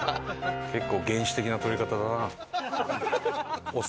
結構原始的な撮り方だな。